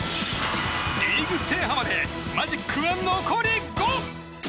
リーグ制覇までマジックは残り５！